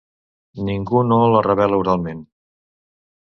Ningú no la revela oralment.